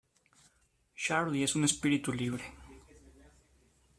Charly es un espíritu libre.